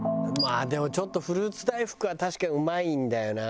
でもちょっとフルーツ大福は確かにうまいんだよな。